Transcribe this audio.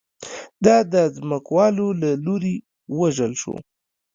دا د ځمکوالو له لوري ووژل شو